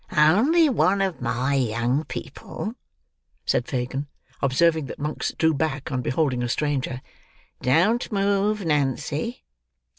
"Only one of my young people," said Fagin, observing that Monks drew back, on beholding a stranger. "Don't move, Nancy."